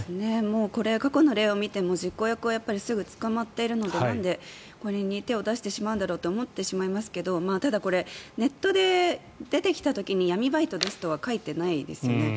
これは過去の例を見ても実行役はすぐに捕まっているのでなんでこれに手を出してしまうんだろうと思ってしまいますけどただ、これネットで出てきた時に闇バイトですとは書いてないですよね。